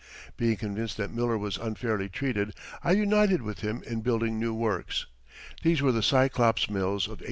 Being convinced that Miller was unfairly treated, I united with him in building new works. These were the Cyclops Mills of 1864.